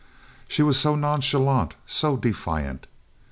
She was so nonchalant, so defiant.